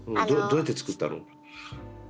どうやってつくったの？